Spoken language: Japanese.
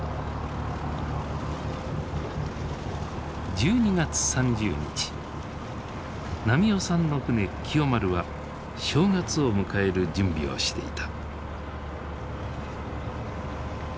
１２月３０日波男さんの船喜代丸は正月を迎える準備をしていた。